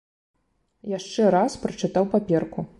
Яшчэ раз прачытаў паперку.